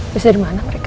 terus dari mana mereka